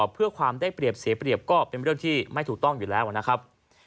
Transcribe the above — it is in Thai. เพื่อความได้เปรียบเสียเปรียบก็เป็นเรื่องที่ไม่ถูกต้องอยู่แล้วนะครับ